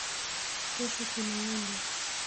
Kesho tunaenda.